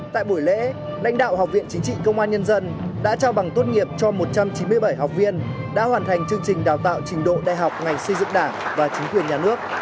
tại buổi lễ lãnh đạo học viện chính trị công an nhân dân đã trao bằng tốt nghiệp cho một trăm chín mươi bảy học viên đã hoàn thành chương trình đào tạo trình độ đại học ngành xây dựng đảng và chính quyền nhà nước